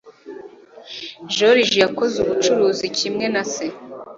joriji yakoze ubucuruzi kimwe na se